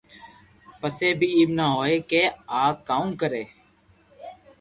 پسي بي ايم نہ ھوئي ڪي آ ڪاو ڪري